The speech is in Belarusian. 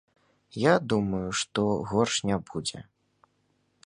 Я думаю, што горш не будзе.